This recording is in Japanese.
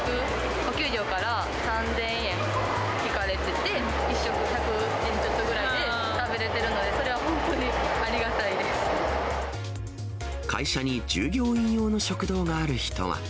お給料から３０００円引かれてて、１食１００円ちょっとぐらいで食べれてるので、それは本当にあり会社に従業員用の食堂がある人は。